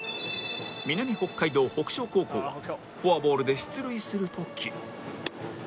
南北海道北照高校はフォアボールで出塁する時